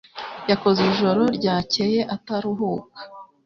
Yakoze ijoro ryakeye ataruhuka.